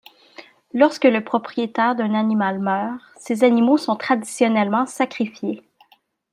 Lorsque le propriétaire d'un animal meurt, ses animaux sont traditionnellement sacrifiés.